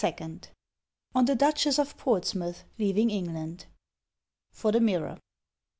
On the Duchess of Portsmouth leaving England. _(For the Mirror.)